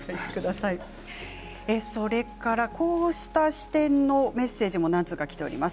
それからこうした視点のメッセージも何通か来ています。